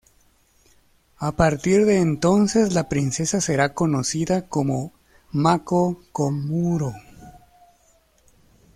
A partir de entonces, la princesa será conocida como Mako Komuro.